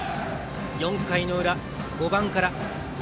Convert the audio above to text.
４回の裏、５番から。